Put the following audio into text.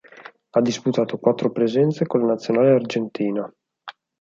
Ha disputato quattro presenze con la Nazionale Argentina.